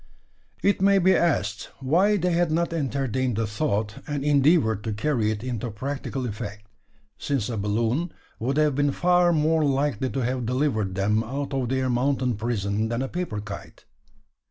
It may be asked why they had not entertained the thought, and endeavoured to carry it into practical effect: since a balloon would have been far more likely to have delivered them out of their "mountain prison" than a paper kite?